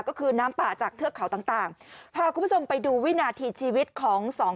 ก็คือน้ำป่าจากเทือกเขาต่างต่างพาคุณผู้ชมไปดูวินาทีชีวิตของสอง